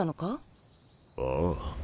ああ。